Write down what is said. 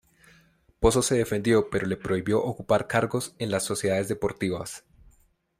Pozzo se defendió, pero se le prohibió ocupar cargos en las sociedades deportivas.